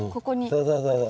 そうそうそうそう。